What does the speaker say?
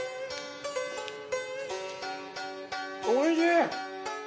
おいしい！